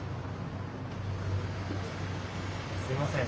すみません。